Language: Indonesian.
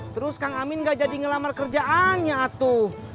terus kang amin enggak jadi ngelamar kerjaannya atu